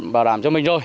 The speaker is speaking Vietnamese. bảo đảm cho mình rồi